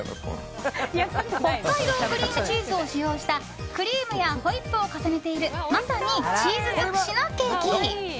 北海道クリームチーズを使用したクリームやホイップを重ねているまさにチーズ尽くしのケーキ！